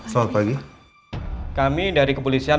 selamat pagi kami dari kepolisian